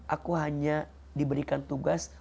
aku hanya diberikan tugas